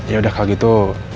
yaudah kalau gitu